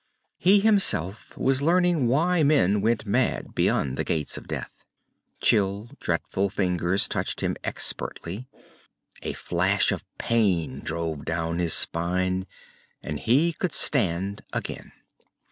He himself was learning why men went mad beyond the Gates of Death. Chill, dreadful fingers touched him expertly. A flash of pain drove down his spine, and he could stand again.